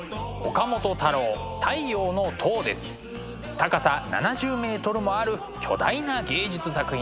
高さ７０ｍもある巨大な芸術作品です。